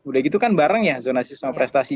sudah gitu kan bareng ya zonasi sama prestasi